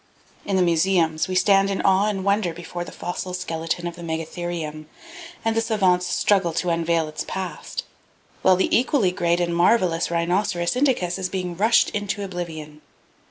In the museums, we stand in awe and wonder before the fossil skeleton of the Megatherium, and the savants struggle to unveil its past, while the equally great and marvelous Rhinoceros indicus is being rushed into oblivion.